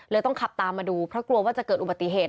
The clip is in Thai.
ต้องขับตามมาดูเพราะกลัวว่าจะเกิดอุบัติเหตุ